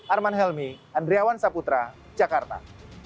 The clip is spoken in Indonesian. arman helmi andriawan saputra jakarta